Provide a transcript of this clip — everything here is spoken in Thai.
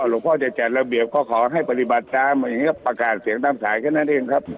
หลวงพ่อจะจัดระเบียบก็ขอให้ปฏิบัติตามอย่างนี้ก็ประกาศเสียงตามสายแค่นั้นเองครับ